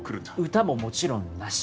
歌ももちろんなし。